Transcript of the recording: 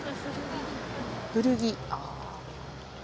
古着。